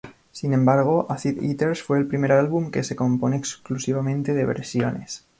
Sin embargo "Acid Eaters" fue el primer álbum que se compone exclusivamente de versiones.